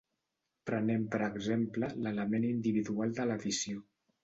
Prenem per exemple l'element individual de l'edició.